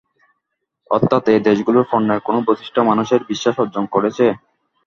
অর্থাৎ এই দেশগুলোর পণ্যের কোন বৈশিষ্ট্য মানুষের বিশ্বাস অর্জন করেছে।